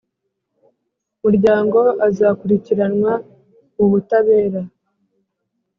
Muryango azakurikiranwa mu butabera